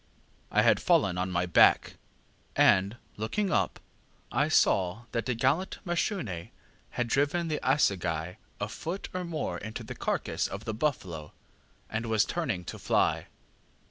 I had fallen on my back, and, looking up, I saw that the gallant Mashune had driven the assegai a foot or more into the carcass of the buffalo, and was turning to fly.